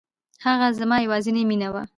هغه زما يوازينی مینه وه.